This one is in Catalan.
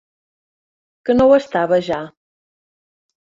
Que no ho estava, ja?